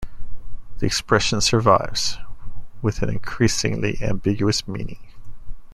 The expression survives, with an increasingly ambiguous meaning.